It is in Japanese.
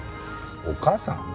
お母さん？